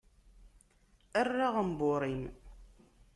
Err aɣenbur-im.